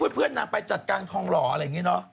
มีเพื่อนนักไปจัดกรางธองหล่ออะไรแบบนี้เนอะ